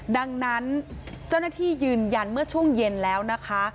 ดังนั้นเจ้าหน้าที่ยืนยันเมื่อช่วงเย็นแล้วนะคะ